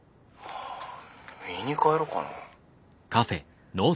見に帰ろかな。